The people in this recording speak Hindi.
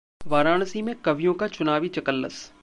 वाराणसी में कवियों का चुनावी चकल्लस